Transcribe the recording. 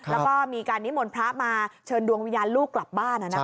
แล้วก็มีการนิมนต์พระมาเชิญดวงวิญญาณลูกกลับบ้าน